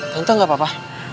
tante gak apa apa